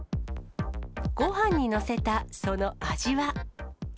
ごはんに載せたその味は。